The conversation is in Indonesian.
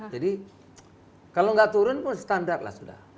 jadi kalau gak turun pun standar lah sudah